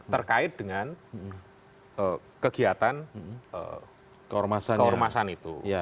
terkait dengan kegiatan keormasan itu